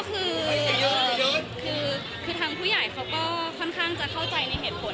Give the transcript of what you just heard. คือคือทางผู้ใหญ่เขาก็ค่อนข้างจะเข้าใจในเหตุผล